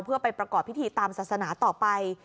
เพื่อไปประกอบพิธีตามศาสนาต่อไป